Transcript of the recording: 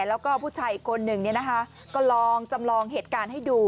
แล้วก็ผู้ชายอีกคนหนึ่งก็ลองจำลองเหตุการณ์ให้ดู